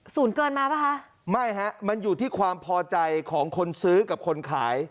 เกินมาป่ะคะไม่ฮะมันอยู่ที่ความพอใจของคนซื้อกับคนขาย